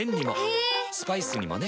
ヘェー⁉スパイスにもね。